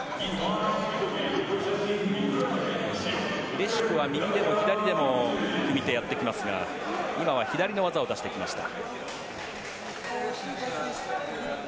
レシュクは右でも左でも組み手をやっていきますが今は左の技を出してきました。